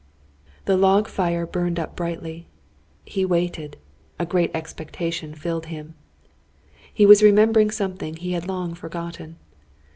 The log fire burned up brightly. He waited. A great expectation filled him. He was remembering something he had long forgotten.